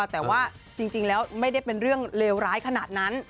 แต่ว่าจริงแล้วไม่ได้เป็นเรื่องเลวร้ายขนาดนั้น